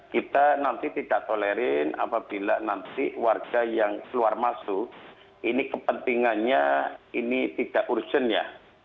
kita nanti tidak tolerin apabila nanti warga yang keluar masuk ini kepentingannya ini tidak urgent ya